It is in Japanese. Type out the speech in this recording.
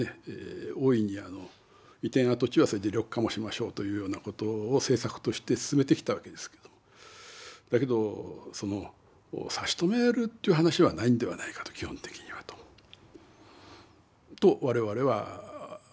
大いに移転跡地は緑化もしましょうというようなことを政策として進めてきたわけですけどだけどその差し止めるという話はないんではないかと基本的にはとと我々は思ったわけです。